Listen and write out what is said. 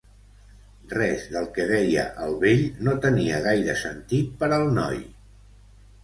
Res del que deia el vell no tenia gaire sentit per al noi.